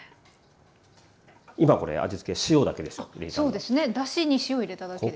今これ味付け塩だけでしょ入れたの。